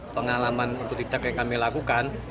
pengalaman untuk tidak kami lakukan